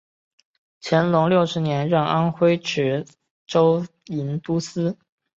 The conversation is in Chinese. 乾隆六十年任安徽池州营都司。